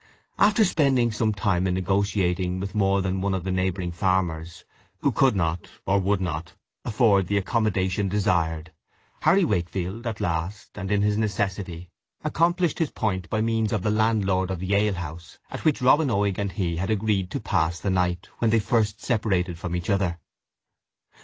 After spending some time in negotiating with more than one of the neighbouring farmers, who could not; or would not, afford the accommodation desired, Henry Wakefield at last, and in his necessity, accomplished his point by means of the landlord of the alehouse at which Robin Oig and he had agreed to pass the night, when they first separated from each other.